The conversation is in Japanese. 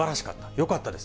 よかったです。